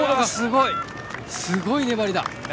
すごい粘りだ！